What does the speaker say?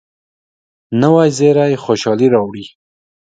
نوې زیري خوشالي راوړي